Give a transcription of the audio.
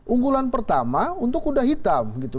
unggulan pertama untuk kuda hitam gitu